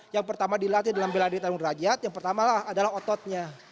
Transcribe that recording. yang pertama dilatih dalam beladiri tarung derajat yang pertama adalah ototnya